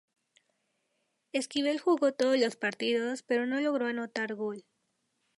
Esquivel jugó todos los partidos pero no logró anotar gol.